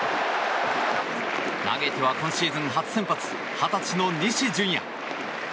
投げては、今シーズン初先発２０歳の西純矢。